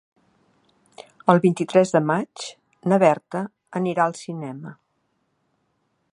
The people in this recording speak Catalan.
El vint-i-tres de maig na Berta anirà al cinema.